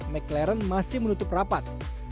mclaren masih menutup rapat